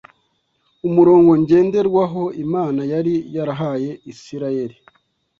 Umurongo ngenderwaho Imana yari yarahaye Isirayeli